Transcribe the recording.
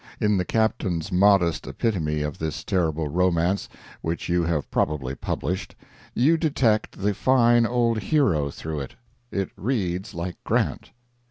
In the Captain's modest epitome of this terrible romance, which you have probably published, you detect the fine old hero through it. It reads like Grant.